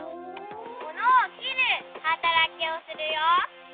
ものをきるはたらきをするよ。